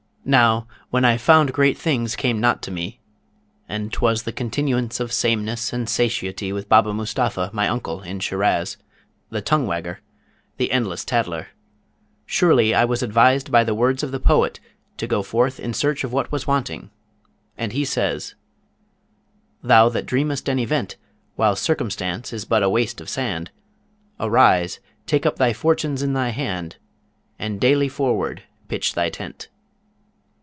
Now, when I found great things came not to me, and 'twas the continuance of sameness and satiety with Baba Mustapha, my uncle, in Shiraz, the tongue wagger, the endless tattler, surely I was advised by the words of the poet to go forth in search of what was wanting, and he says: "Thou that dreamest an Event, While Circumstance is but a waste of sand, Arise, take up thy fortunes in thy hand, And daily forward pitch thy tent."